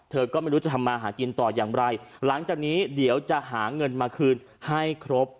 เธอก็ไม่รู้จะทำมาหากินต่ออย่างไรหลังจากนี้เดี๋ยวจะหาเงินมาคืนให้ครบ